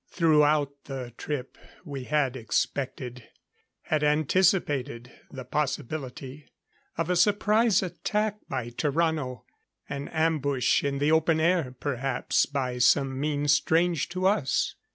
Throughout the trip we had expected had anticipated the possibility of a surprise attack by Tarrano; an ambush in the open air, perhaps by some means strange to us.